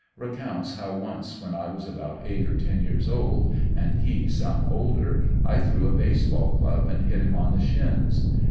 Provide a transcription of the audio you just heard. Recounts how once when I was about eight or ten years old and he some older, I threw a base ball club and hit him on the shins.